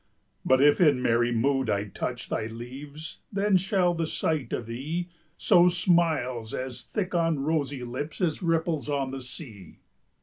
But if in merry mood I touch Thy leaves, then shall the sight of thee Sow smiles as thick on rosy lips As ripples on the sea.